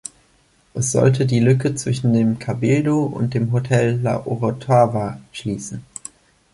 Es sollte die Lücke zwischen dem Cabildo und dem Hotel La Orotava schließen.